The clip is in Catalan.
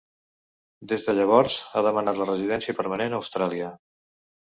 Des de llavors, ha demanat la residència permanent a Austràlia.